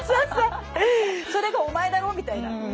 それがお前だろ？みたいな。